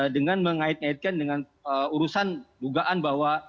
dengan mengait ngaitkan dengan urusan dugaan bahwa